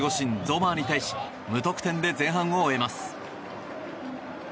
ゾマーに対し無得点で前半を終えます。